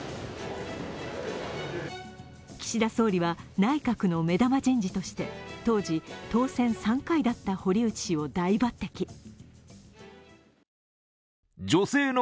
岸田総理は内閣の目玉人事として当時、当選３回だった堀内氏を大抜てき。